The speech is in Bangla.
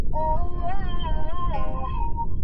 তিনি গ্যুমে তন্ত্র মহাবিদ্যালয়ের প্রধান হিসেবে অধিষ্ঠিত হন।